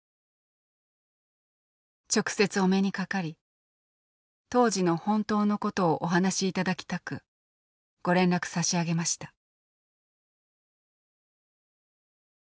「直接お目にかかり当時の本当のことをお話しいただきたくご連絡差し上げました」。